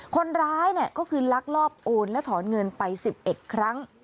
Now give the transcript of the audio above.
คนร้ายก็คือลักลอบโอนและถอนเงินไป๑๑ครั้ง